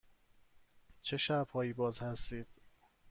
چه شب هایی باز هستید؟